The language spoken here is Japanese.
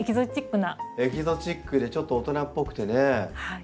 エキゾチックでちょっと大人っぽくてね。